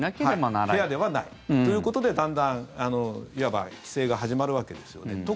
フェアではないということでだんだん、いわば規制が始まるわけですよね。